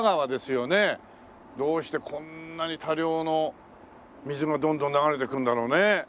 どうしてこんなに多量の水がどんどん流れてくるんだろうね。